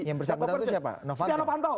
yang bersangkutan itu siapa novanto